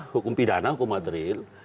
hukum pidana hukum material